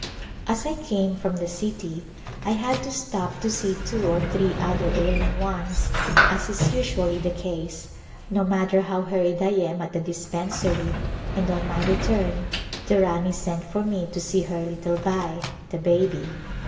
As I came from the city I had to stop to see two or three other ailing ones, as is usually the case, no mat ter how hurried I am at the dispensary, and on my return the Rani sent for me to see her little Bai, the baby.